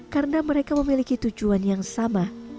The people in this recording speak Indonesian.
karena mereka memiliki tujuan yang sama